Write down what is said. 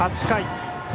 ８回。